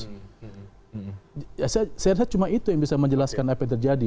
saya rasa cuma itu yang bisa menjelaskan apa yang terjadi